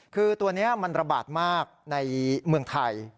คือตัวนี้มันระบาดมากในเมืองไทย